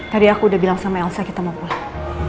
tadi aku udah bilang sama elsa kita mau pulang